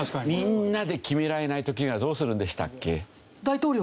みんなで決められない時はどうするんでしたっけ？